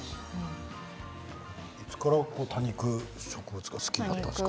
いつから多肉植物が好きになったんですか？